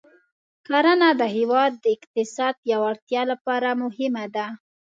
کرنه د هېواد د اقتصاد د پیاوړتیا لپاره مهمه ده.